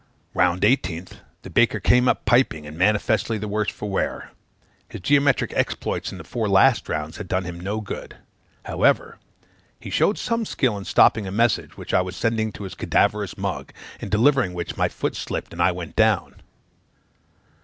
"Round 18th. The baker came up piping, and manifestly the worse for wear. His geometrical exploits in the four last rounds had done him no good. However, he showed some skill in stopping a message which I was sending to his cadaverous mug; in delivering which, my foot slipped, and I went down.